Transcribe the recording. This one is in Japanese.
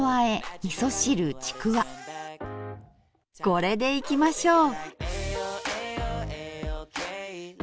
これでいきましょう！